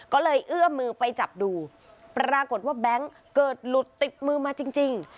ก็เลยเอื้อมมือไปจับดูปรากฏว่าแบงค์เกิดหลุดติดมือมาจริง